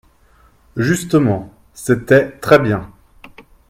Justement, c’était très bien